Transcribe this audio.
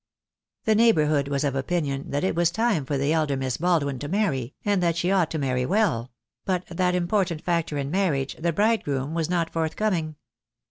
The neighbourhood was of opinion that it was time for the elder Miss Baldwin to marry, and that she ought to marry well; but that important factor in marriage, the bridegroom, was not forthcoming.